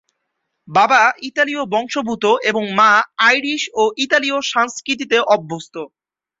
বাবা ইতালীয় বংশোদ্ভূত এবং মা আইরিশ ও ইতালীয় সংস্কৃতিতে অভ্যস্ত।